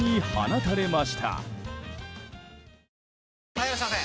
・はいいらっしゃいませ！